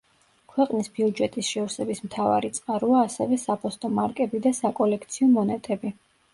ქვეყნის ბიუჯეტის შევსების მთავარი წყაროა ასევე საფოსტო მარკები და საკოლექციო მონეტები.